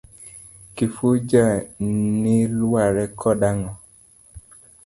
Kifuja ni lawre kodi nang'o?